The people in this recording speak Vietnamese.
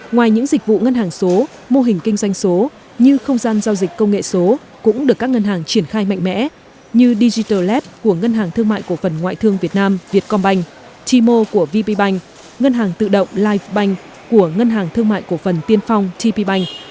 ngoài những dịch vụ ngân hàng số mô hình kinh doanh số như không gian giao dịch công nghệ số cũng được các ngân hàng triển khai mạnh mẽ như digital lab của ngân hàng thương mại cổ phần ngoại thương việt nam vietcombank t mall của vpbank ngân hàng tự động livebank của ngân hàng thương mại cổ phần tiên phong tpbank